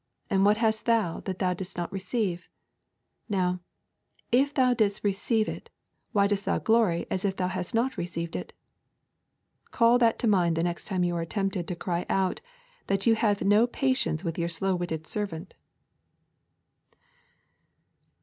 and what hast thou that thou didst not receive? Now, if thou didst receive it, why dost thou glory as if thou hadst not received it? Call that to mind the next time you are tempted to cry out that you have no patience with your slow witted servant.